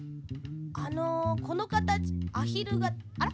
あのこのかたちアヒルがあら？